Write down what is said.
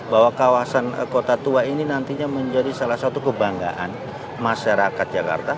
bahwa kawasan kota tua ini nantinya menjadi salah satu kebanggaan masyarakat jakarta